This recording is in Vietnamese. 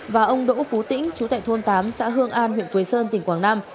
và ông đỗ phú tĩnh chú tệ thôn tám xã hương an huyện quế sơn tỉnh quảng nam